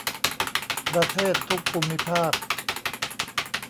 ประเทศทุกภูมิภาค